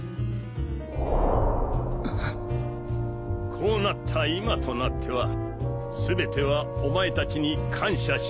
こうなった今となっては全てはお前たちに感謝しなければなるまい。